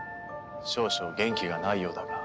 少々元気がないようだが。